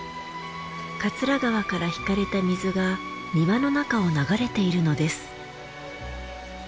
桂川から引かれた水が庭の中を流れているのです。